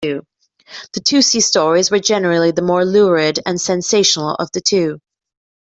The Tousey stories were generally the more lurid and sensational of the two.